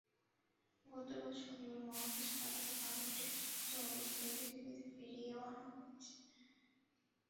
গতকাল শনিবার মহাকাশে পাঠানো বানরটিকে সুস্থ অবস্থায় পৃথিবীতে ফিরিয়েও আনা হয়েছে।